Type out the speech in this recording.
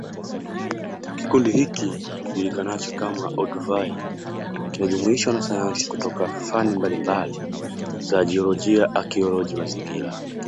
Kikundi hiki kijulikanacho kama Olduvai kinajumuisha wanasayansi kutoka fani mbalimbali za jiolojia akioloji mazingira